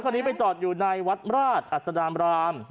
รถคนนี้มันจอดอยู่ในวัดหราชอัศดราม